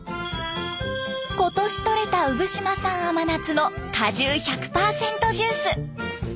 今年とれた産島産甘夏の果汁１００％ジュース。